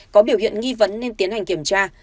có biểu hiện nghi vấn nên tiến hành kiểm tra